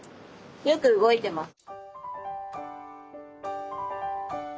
よく動いてます。